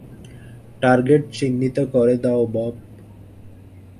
Target চিহ্নিত করে দাও, বব।